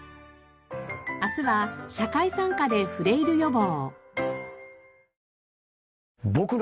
明日は社会参加でフレイル予防。